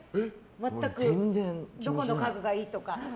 どこの家具がいいとか。